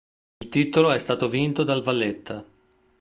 Il titolo è stato vinto dal Valletta.